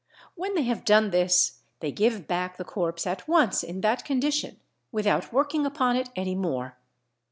When they have done this they give back the corpse at once in that condition without working upon it any more.